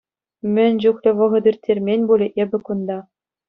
Мӗн чухлӗ вӑхӑт ирттермен пулӗ эпӗ кунта!